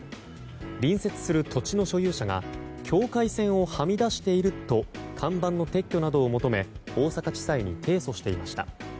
隣接する土地の所有者が境界線をはみ出していると看板の撤去などを求め大阪地裁に提訴していました。